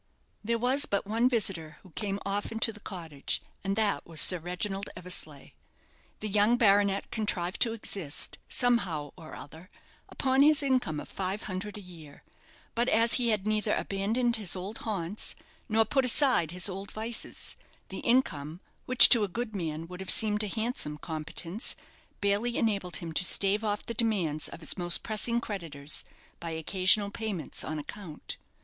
There was but one visitor who came often to the cottage, and that was Sir Reginald Eversleigh. The young baronet contrived to exist, somehow or other, upon his income of five hundred a year; but, as he had neither abandoned his old haunts, nor put aside his old vices, the income, which to a good man would have seemed a handsome competence, barely enabled him to stave off the demands of his most pressing creditors by occasional payments on account.